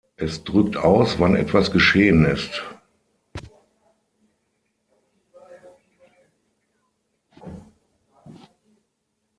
Es drückt aus, wann etwas geschehen ist.